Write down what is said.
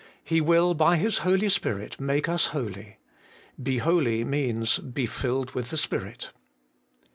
He will by His Holy Spirit make us holy. Be holy means, Be filled with the Spirit.